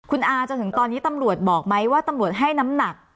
คุณอาจนถึงตอนนี้ตำรวจบอกไหมว่าตำรวจให้น้ำหนัก